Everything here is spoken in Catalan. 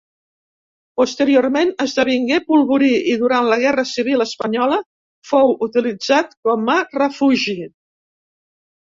Posteriorment, esdevingué polvorí i, durant la Guerra Civil espanyola, fou utilitzat com a refugi.